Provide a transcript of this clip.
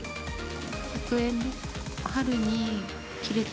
１００円です。